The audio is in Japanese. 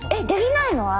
できないの？